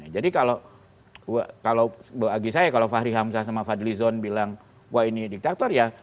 jadi kalau bagi saya kalau fahri hamsah sama fadlizon bilang wah ini diktator ya